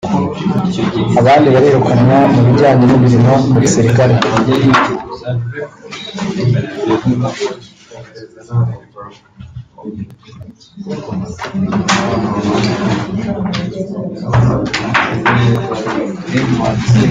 abandi barirukanwa mu bijyanye n’imirimo mu gisirikare